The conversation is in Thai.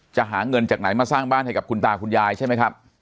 จะหาเงินจากไหนมาสร้างบ้านให้กับคุณตาคุณยายใช่ไหมครับ